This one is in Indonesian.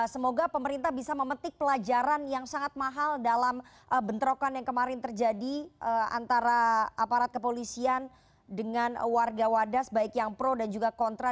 semoga pemerintah bisa memetik pelajaran yang sangat mahal dalam bentrokan yang kemarin terjadi antara aparat kepolisian dengan warga wadas baik yang pro dan juga kontra